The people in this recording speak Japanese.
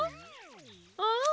ああ。